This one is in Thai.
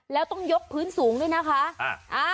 แล้วต้องยกพื้นสูงด้วยนะคะ